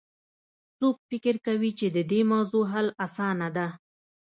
څوک فکر کوي چې د دې موضوع حل اسانه ده